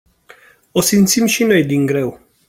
O simțim și noi din greu.